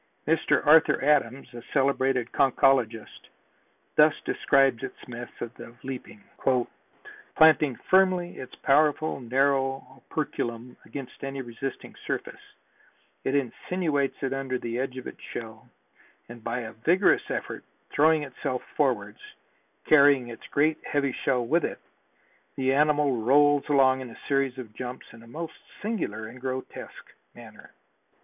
Mr. Arthur Adams, a celebrated conchologist, thus describes its method of leaping: "Planting firmly its powerful, narrow operculum against any resisting surface, it insinuates it under the edge of its shell and by a vigorous effort, throwing itself forwards, carrying its great heavy shell with it, the animal rolls along in a series of jumps in a most singular and grotesque manner."